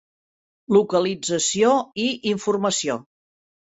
Localització i informació.